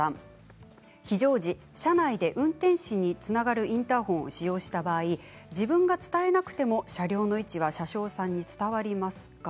非常時車内で運転手につながるインターホンを押した場合自分が伝えなくても車両の位置は車掌さんに伝わりますか。